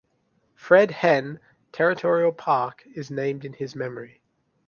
Fred Henne Territorial Park is named in his memory.